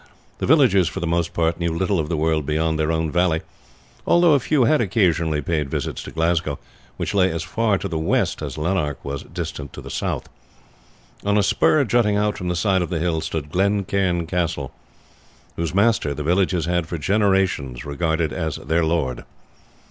The villagers for the most part knew little of the world beyond their own valley, although a few had occasionally paid visits to Glasgow, which lay as far to the west as Lanark was distant to the south. On a spur jutting out from the side of the hill stood Glen Cairn Castle, whose master the villagers had for generations regarded as their lord.